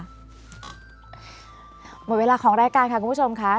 หมดเวลาของรายการค่ะคุณผู้ชมค่ะ